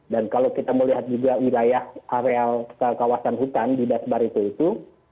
dan kalau kita mau lihat juga wilayah areal kawasan hutan di dasbar itu itu